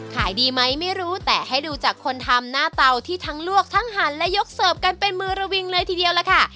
ขายดีไหมไม่รู้แต่ให้ดูจากคนทำหน้าเตาที่ทั้งลวกทั้งหันและยกเสิร์ฟกันเป็นมือระวิงเลยทีเดียวล่ะค่ะ